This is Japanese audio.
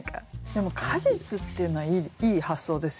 でも「果実」っていうのはいい発想ですよね。